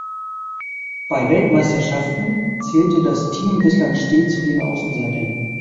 Bei Weltmeisterschaften zählte das Team bislang stets zu den Außenseitern.